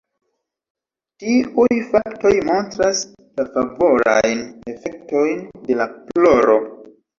Tiuj faktoj montras la favorajn efektojn de la ploro.